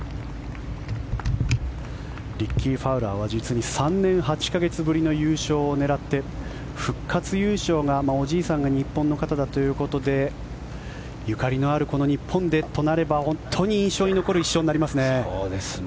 リッキー・ファウラーは実に３年８か月ぶりの優勝を狙って復活優勝が、おじいさんが日本の方だということでゆかりのあるこの日本でとなれば本当に印象に残る１勝になりますね。